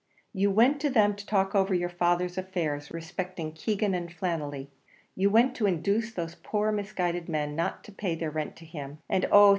You went to them to talk over your father's affairs respecting Keegan and Flannelly; you went to induce those poor misguided men not to pay their rent to him; and oh!